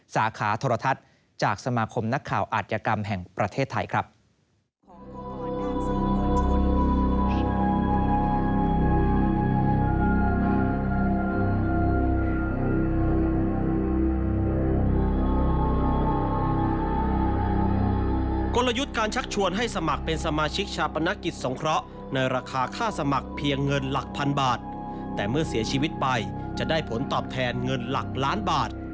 สาขาโทรทัศน์จากสมาคมนักข่าวอาจยกรรมแห่งประเทศไทยครับ